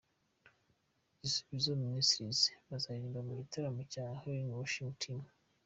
Gisubizo Ministries bazaririmba mu gitaramo cya Healing worship team.